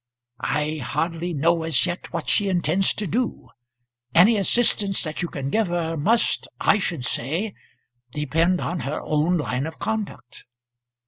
"I hardly know as yet what she intends to do; any assistance that you can give her must, I should say, depend on her own line of conduct."